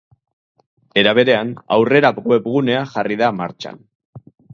Era berean, aurrera webgunea jarri da martxan.